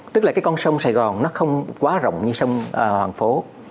tức là cái con sông sài gòn nó không quá rộng như sông hoàn phố